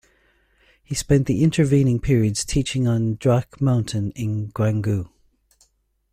He spent the intervening periods teaching on Jaok Mountain in Gyeongju.